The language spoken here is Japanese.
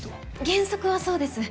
原則はそうです。